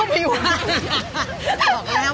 หนึ่งตัวพัดลมอีกสอง